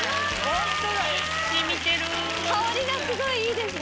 香りがすごいいいですね。